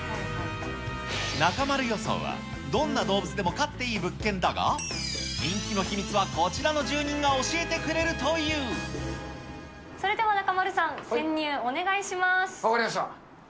中丸予想は、どんな動物でも飼っていい物件だが、人気の秘密は、こちらの住人それでは中丸さん、潜入、分かりました。